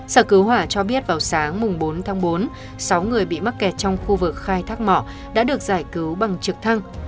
sở cứu hỏa cho biết vào sáng bốn tháng bốn sáu người bị mắc kẹt trong khu vực khai thác mỏ đã được giải cứu bằng trực thăng